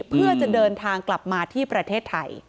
เพื่อจะเดินทางกลับมาที่ประเทศไทย